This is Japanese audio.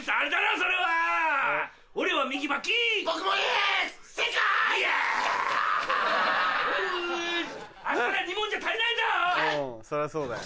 そりゃそうだよ。